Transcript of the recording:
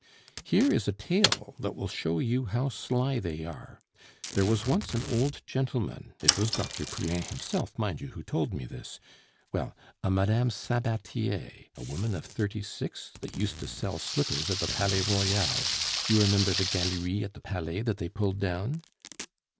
Here is a tale that will show you how sly they are. There was once an old gentleman it was Dr. Poulain himself, mind you, who told me this well, a Mme. Sabatier, a woman of thirty six that used to sell slippers at the Palais Royal you remember the Galerie at the Palais that they pulled down?"